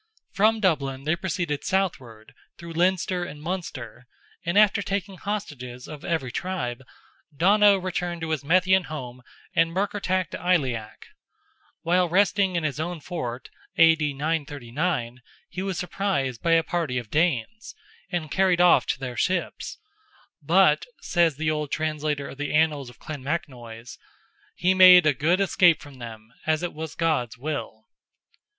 From Dublin they proceeded southward, through Leinster and Munster, and after taking hostages of every tribe, Donogh returned to his Methian home and Murkertach to Aileach. While resting in his own fort (A.D. 939), he was surprised by a party of Danes, and carried off to their ships, but, says the old translator of the Annals of Clonmacnoise, "he made a good escape from them, as it was God's will."